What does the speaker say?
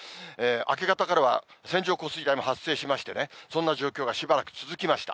明け方からは線状降水帯も発生しましてね、そんな状況がしばらく続きました。